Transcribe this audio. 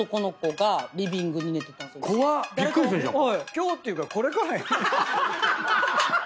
今日っていうかこれからやん。